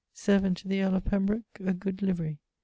] Servant to the earl of Pembroke, a good liverie.